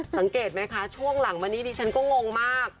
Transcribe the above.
สังเกตไหมคะช่วงหลังมานี้ดิฉันก็งงมาก